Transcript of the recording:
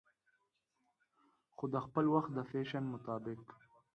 خو دخپل وخت د فېشن مطابق